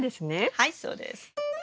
はいそうです。